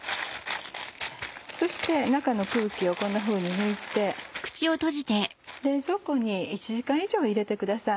そして中の空気をこんなふうに抜いて冷蔵庫に１時間以上入れてください。